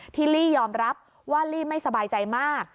ลี่ยอมรับว่าลี่ไม่สบายใจมาก